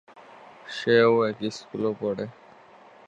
সেও একই স্কুলে পড়ে।